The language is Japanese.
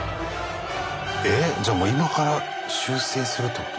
えっじゃもう今から修正するってこと？